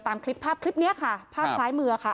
ตามคลิปภาพคลิปนี้ค่ะภาพซ้ายมือค่ะ